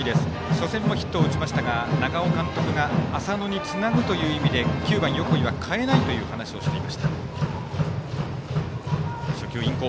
初戦もヒットを打ちましたが長尾監督が浅野につなぐという意味で９番、横井は変えないという話をしていました。